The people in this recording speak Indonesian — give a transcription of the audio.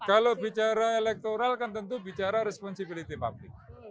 kalau bicara elektoral kan tentu bicara responsibilitik pabrik